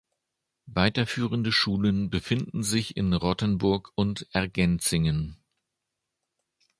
Weiterführende Schulen befinden sich in Rottenburg und Ergenzingen.